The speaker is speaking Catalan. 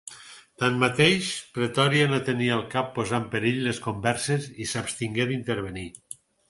Tanmateix, Pretòria no tenia al cap posar en perill les converses i s'abstingué d'intervenir.